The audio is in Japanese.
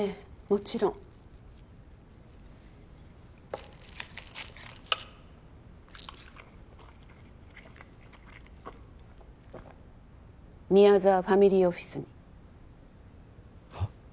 もちろん宮沢ファミリーオフィスにはっ？